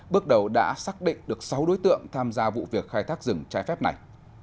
bước đầu đã xác định được sáu đối tượng tham gia vụ việc khai thác rừng trái phép này